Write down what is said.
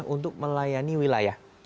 untuk melayani wilayah